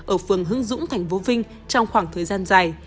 ở phường hưng dũng thành phố vinh trong khoảng thời gian dài